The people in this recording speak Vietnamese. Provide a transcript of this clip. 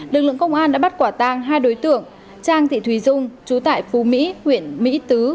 lực lượng công an đã bắt quả tang hai đối tượng trang thị thùy dung trú tại phú mỹ huyện mỹ tứ